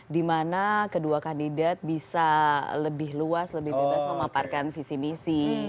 dimana kedua kandidat bisa lebih luas lebih bebas memaparkan visi misi